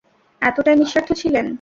এতটাই নিঃস্বার্থ ছিলেন।